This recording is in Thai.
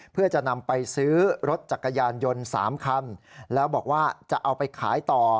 เพื่อจะนำไปซื้อรถจักรยานยนต์๓คันแล้วบอกว่าจะเอาไปขายต่อ